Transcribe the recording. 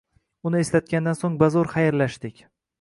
Uni eslatgandan soʻng bazoʻr xayrlashdik.